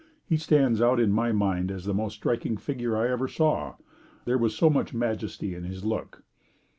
He stands out in my mind as the most striking figure I ever saw. There was so much majesty in his look.